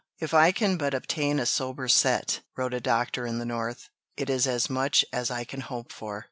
"If I can but obtain a sober set," wrote a doctor in the North, "it is as much as I can hope for."